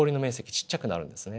ちっちゃくなるんですね。